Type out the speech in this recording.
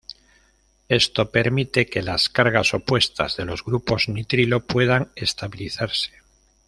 Esto permite que las cargas opuestas de los grupos nitrilo puedan estabilizarse.